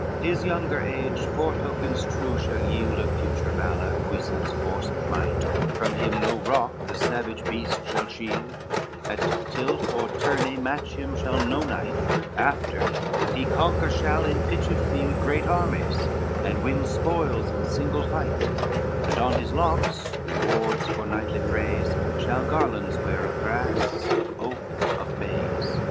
XCI "His younger age foretokens true shall yield Of future valor, puissance, force and might, From him no rock the savage beast shall shield; At tilt or tourney match him shall no knight: After, he conquer shall in pitched field Great armies and win spoils in single fight, And on his locks, rewards for knightly praise, Shall garlands wear of grass, of oak, of bays.